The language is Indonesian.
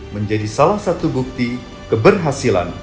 menjadi salah satu bukti keberhasilan